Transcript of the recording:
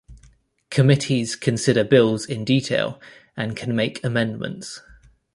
Committees consider bills in detail, and can make amendments.